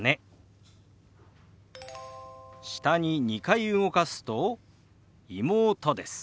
下に２回動かすと「妹」です。